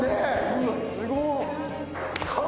うわすごっ！